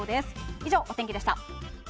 以上、お天気でした。